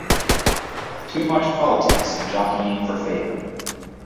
Too much politics and jockeying for favor.